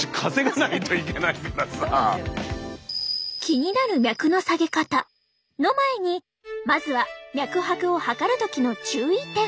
気になる脈の下げ方の前にまずは脈拍を測る時の注意点！